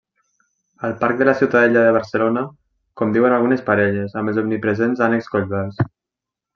Al Parc de la Ciutadella de Barcelona conviuen algunes parelles amb els omnipresents ànecs collverds.